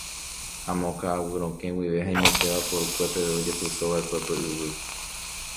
Amo Ka'aguy Rokẽ guive haimete vapor-kue peve ojepysova'ekue pe yvy.